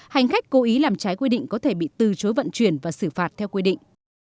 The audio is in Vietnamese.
hành khách cố ý làm trái quy định có thể bị từ chối vận chuyển và xử phạt theo quy định